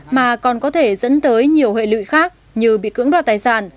mà còn có thể dẫn tới nhiều hệ lụy khác như bị cưỡng đoạt tài sản